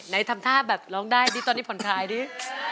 ทำท่าแบบร้องได้ดิตอนนี้ผ่อนคลายดิ